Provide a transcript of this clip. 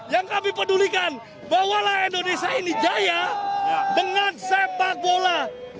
yang kami pedulikan bahwalah indonesia ini jaya dengan sepak bola